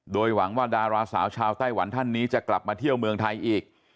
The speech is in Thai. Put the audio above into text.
โดยหวังว่าดาราสาวชาวไต้หวันท่านนี้จะกลับมาเที่ยวเมืองไทยอีก